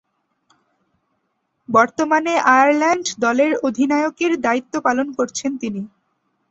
বর্তমানে আয়ারল্যান্ড দলের অধিনায়কের দায়িত্ব পালন করছেন তিনি।